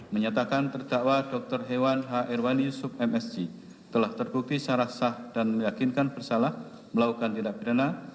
menyatakan terdakwa dr hewan h irwanyu sub msg telah terbukti secara sah dan meyakinkan bersalah melakukan tindak pidana